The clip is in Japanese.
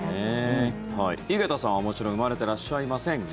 井桁さんは、もちろん生まれていらっしゃいませんが。